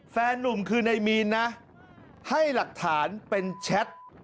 แฟนนุ่มคือนายมีนนะให้หลักฐานเป็นแชท